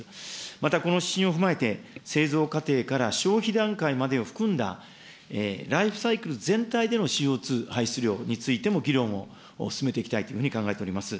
またこの指針を踏まえて、製造過程から消費段階までを含んだ、ライフサイクル全体でのＣＯ２排出量についても議論を進めていきたいというふうに考えております。